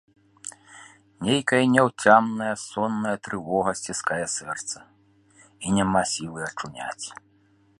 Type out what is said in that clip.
Нейкая няўцямная сонная трывога сціскае сэрца, і няма сілы ачуняць.